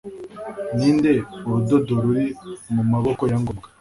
Ninde urudodo ruri mumaboko ya ngombwa